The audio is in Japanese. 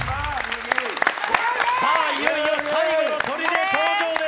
さあ、いよいよ最後のとりで登場です。